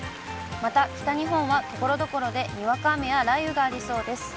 また、北日本はところどころでにわか雨や雷雨がありそうです。